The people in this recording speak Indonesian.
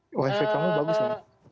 oh efek kamu bagus